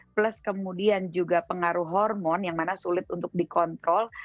plus kemudian juga pengaruh hormon yang mana sulit untuk dikontrol